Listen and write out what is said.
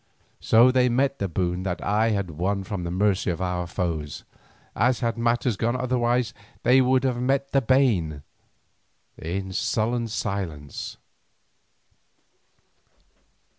So they met the boon that I had won from the mercy of our foes, as had matters gone otherwise they would have met the bane, in sullen silence.